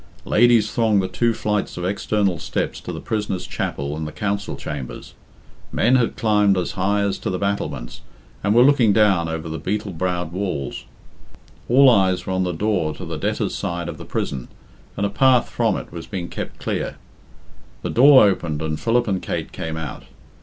Ladies thronged the two flights of external steps to the prisoners' chapel and the council chamber. Men had climbed as high as to the battlements, and were looking down over the beetle browed walls. All eyes were on the door to the debtors' side of the prison, and a path from it was being kept clear. The door opened and Philip and Kate came out.